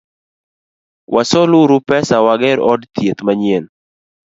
Wasol uru pesa wager od thieth manyien.